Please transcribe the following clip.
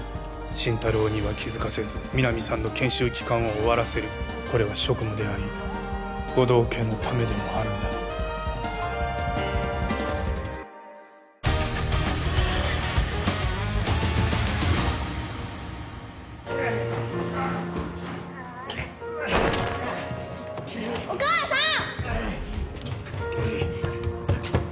心太朗には気づかせず皆実さんの研修期間を終わらせるこれは職務であり護道家のためでもあるんだお母さん！